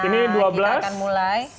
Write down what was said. nah kita akan mulai